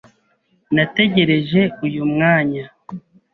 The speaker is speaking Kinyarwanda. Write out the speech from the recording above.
Nategereje uyu mwanya.